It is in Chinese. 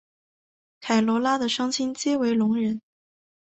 凯萝拉的双亲皆为聋人。